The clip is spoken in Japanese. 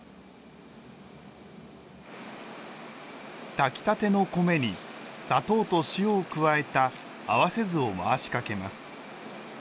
炊きたての米に砂糖と塩を加えた合わせ酢を回しかけます。